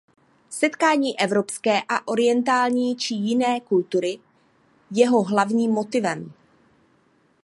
Setkání evropské a orientální či jiné kultury jeho hlavním motivem.